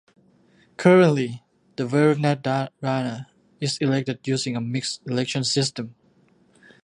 Currently the Verkhovna Rada is elected using a mixed election system.